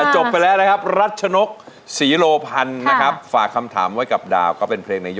ฉันต้องทำยังไง